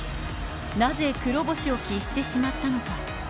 なぜ黒星を喫してしまったのか。